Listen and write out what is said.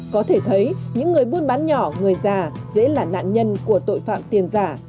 có thể thấy những người buôn bán nhỏ người già dễ là nạn nhân của tội phạm tiền giả